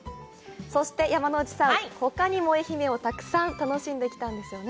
そして山之内さん、ほかにも愛媛をたくさん楽しんできたんですよね。